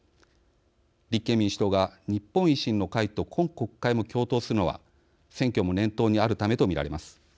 立憲民主党が日本維新の会と今国会も共闘するのは選挙も念頭にあるためと見られます。